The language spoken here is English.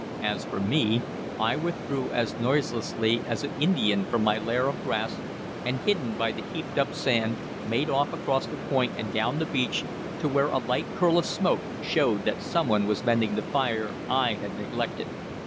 As for me, I withdrew as noiselessly as an Indian from my lair of grass, and, hidden by the heaped up sand, made off across the point and down the beach to where a light curl of smoke showed that some one was mending the fire I had neglected.